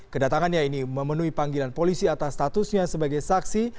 kedatangannya ini memenuhi panggilan polisi atas statusnya sebagai saksi